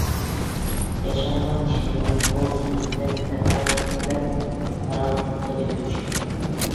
ياشانغان كىشىنىڭ بۇ سۆزىدىن ئەتراپتىكىلەر پاراققىدە كۈلۈشۈپ كەتتى.